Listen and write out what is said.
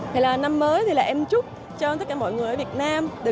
thì là năm mới thì là em chúc cho tất cả mọi người ở việt nam